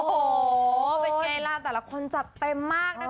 โอ้โหเป็นไงล่ะแต่ละคนจัดเต็มมากนะคะ